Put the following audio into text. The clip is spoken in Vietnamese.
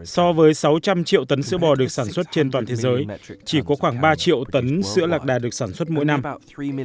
so với sáu trăm linh triệu tấn sữa bò được sản xuất trên toàn thế giới chỉ có khoảng ba triệu tấn sữa lạc đà được sản xuất mỗi năm